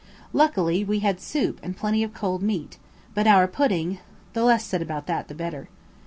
Luckily we had soup and plenty of cold meat; but our pudding the less said about that the better.